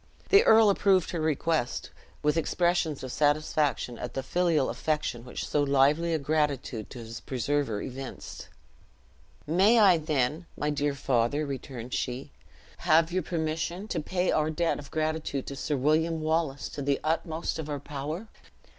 The earl approved her request, with expressions of satisfaction at the filial affection which so lively a gratitude to his preserver evinced. "May I, then, my dear father," returned she, "have your permission to pay our debt of gratitude to Sir William Wallace to the utmost of our power?"